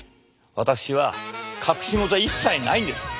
私は隠し事は一切ないんです。